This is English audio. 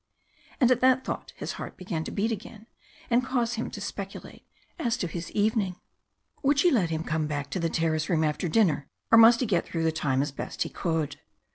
And at that thought his heart began to beat again and cause him to speculate as to his evening. Would she let him come back to the terrace room after dinner, or must he get through the time as best he could?